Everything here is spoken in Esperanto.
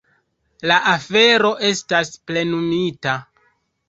La afero estas plenumita.